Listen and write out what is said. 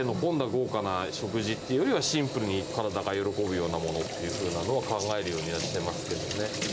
豪華な食事っていうよりは、シンプルに体が喜ぶようなものというのを考えるようにはしてますけどね。